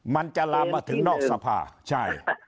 มันจะลามมาถึงนอกสภาใช่